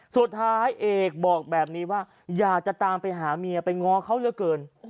สุดท้ายเอกบอกแบบนี้ว่าอยากจะตามไปหาเมียไปง้อเขาเยอะเกิน